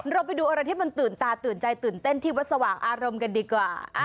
เราไปดูอะไรที่มันตื่นตาตื่นใจตื่นเต้นที่วัดสว่างอารมณ์กันดีกว่า